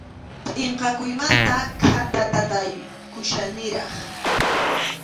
Pʼinqakuymanta khatatataykuchkaniraq.